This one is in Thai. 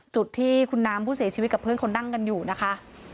จุดที่คุณน้ำผู้เสียชีวิตกับเพื่อนเขานั่งกันอยู่นะคะ